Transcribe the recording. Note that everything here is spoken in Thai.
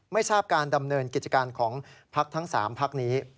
ไม่ทราบการดำเนินกิจการของพักทั้ง๓พักนี้